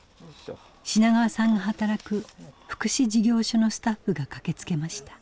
品川さんが働く福祉事業所のスタッフが駆けつけました。